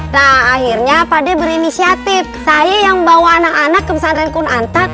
nah akhirnya pade berinisiatif saya yang bawa anak anak ke pesantren kunantan